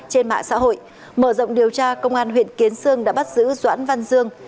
trên mạng xã hội mở rộng điều tra công an huyện kiến sương đã bắt giữ doãn văn dương